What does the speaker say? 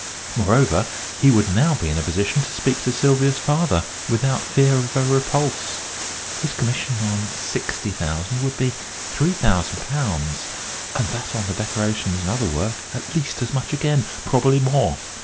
Moreover, he would now be in a position to speak to Sylvia's father without fear of a repulse. His commission on £60,000 would be £3,000, and that on the decorations and other work at least as much again probably more.